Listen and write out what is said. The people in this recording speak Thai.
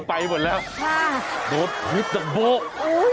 ไปซับผ้าปั่นผ้านู้น